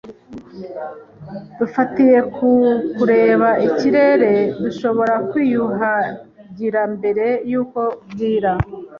Dufatiye ku kureba ikirere, dushobora kwiyuhagira mbere yuko bwira.